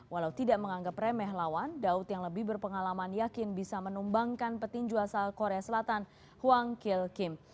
walau tidak menganggap remeh lawan daud yang lebih berpengalaman yakin bisa menumbangkan petinju asal korea selatan huang kil kim